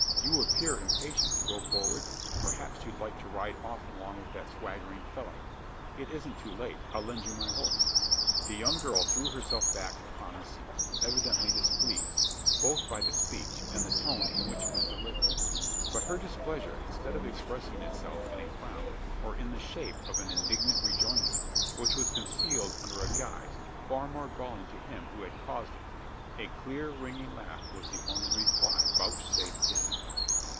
"You appear impatient to go forward? Perhaps you'd like to ride off along with that swaggering fellow? It isn't too late: I'll lend you my horse." The young girl threw herself back upon the seat evidently displeased, both by the speech and the tone in which it was delivered. But her displeasure, instead of expressing itself in a frown, or in the shape of an indignant rejoinder, was concealed under a guise far more galling to him who had caused it. A clear ringing laugh was the only reply vouchsafed to him.